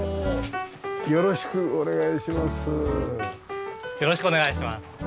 よろしくお願いします。